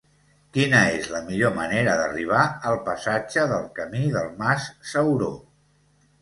Quina és la millor manera d'arribar al passatge del Camí del Mas Sauró?